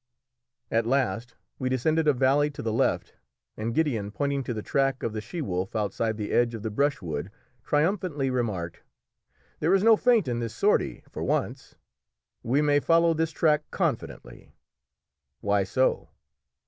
At last we descended a valley to the left and Gideon pointing to the track of the she wolf outside the edge of the brushwood, triumphantly remarked "There is no feint in this sortie, for once. We may follow this track confidently." "Why so?"